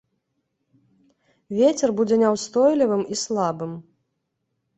Вецер будзе няўстойлівым і слабым.